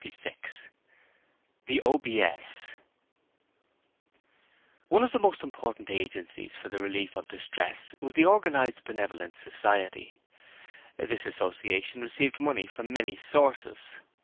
Chapter 36 The OBS One of the most important agencies for the relief of distress was the Organized Benevolence Society. This association received money from many sources.